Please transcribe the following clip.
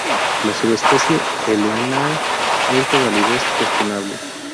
La subespecie "helenae" es de validez cuestionable.